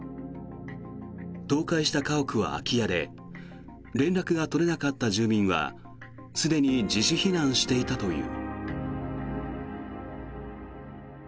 倒壊した家屋は空き家で連絡が取れなかった住民はすでに自主避難していたという。